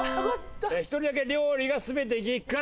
１人だけ料理が全て激辛。